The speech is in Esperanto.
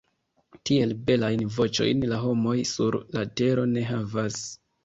Tiel belajn voĉojn la homoj sur la tero ne havas.